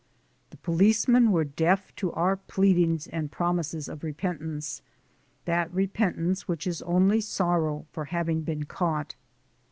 The policemen were deaf to our pleadings and promises of repentance that repentance which is only sorrow for having been caught.